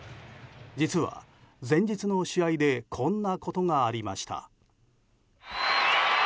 実は前日の試合でこんなことがありました。